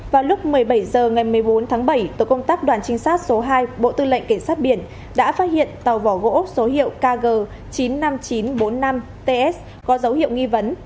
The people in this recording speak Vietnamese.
vào lúc một mươi bảy h ngày một mươi bốn tháng bảy tổ công tác đoàn trinh sát số hai bộ tư lệnh cảnh sát biển đã phát hiện tàu vỏ gỗ số hiệu kg chín mươi năm nghìn chín trăm bốn mươi năm ts có dấu hiệu nghi vấn